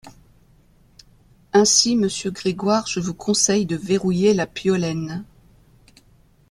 Ainsi, monsieur Grégoire, je vous conseille de verrouiller la Piolaine.